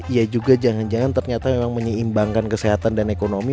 ia juga jangan jangan ternyata memang menyeimbangkan kesehatan dan ekonomi